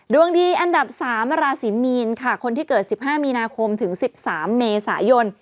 ดวงดีอันดับ๓ราศีมีนค่ะคนที่เกิด๑๕มีนาคมถึง๑๓เมษายน